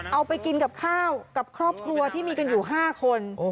เอาไปกินกับข้าวกับครอบครัวที่มีกันอยู่๕คน